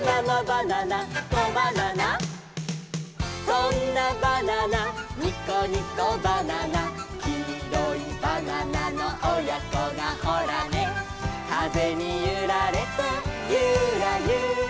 「そんなバナナニコニコバナナ」「きいろいバナナのおやこがホラネ」「かぜにゆられてユラユラ」